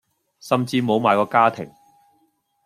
甚至無埋個家庭